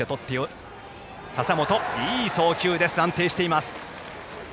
笹本いい送球、安定しています。